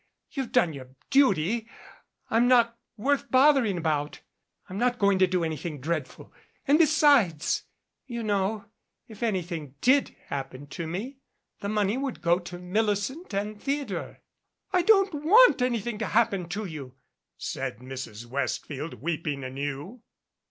You've done your duty. I'm not worth both ering about. I'm not going to do anything dreadful. And besides you know if anything did happen to me, the money would go to Millicent and Theodore." "I I don't want anything to happen to you," said Mrs. Westfield, weeping anew.